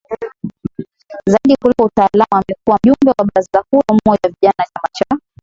zaidi kuliko utaalamu Amekuwa Mjumbe wa Baraza Kuu la Umoja wa vijana chama cha